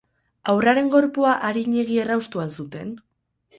Haurraren gorpua arinegi erraustu al zuten?